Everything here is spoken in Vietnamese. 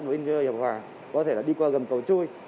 bên hiệp hòa có thể là đi qua gầm cầu chui